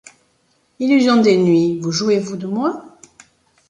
Illusions des nuits, vous jouez-vous de moi ?